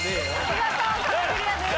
見事壁クリアです。